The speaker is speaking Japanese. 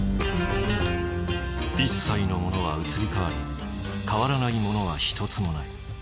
一切のものは移り変わり変わらないものは一つもない。